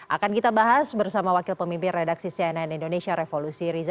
akan kita bahas bersama wakil pemimpin redaksi cnn indonesia revolusi riza